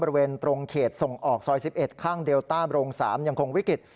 บริเวณตรงเขตส่งออกซอย๑๑ข้างเดลต้าโรง๓ยังคงวิกฤต